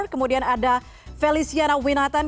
kemudian ada feliciana winatan